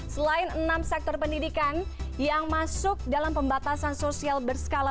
selain enam sektor pendidikan yang masuk dalam pembatasan sosial berskala